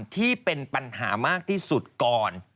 ที่เป็นปัญหามากที่สุดก่อน